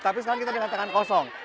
tapi sekarang kita dengan tangan kosong